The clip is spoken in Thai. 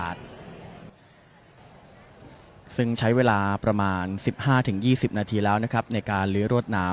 อ่าซึ่งใช้เวลาประมาณสิบห้าถึงยี่สิบนาทีแล้วนะครับในการลื้อรถน้ำ